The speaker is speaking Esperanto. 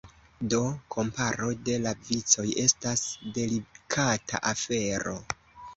Do, komparo de la vicoj estas delikata afero.